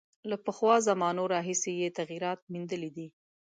له پخوا زمانو راهیسې یې تغییرات میندلي دي.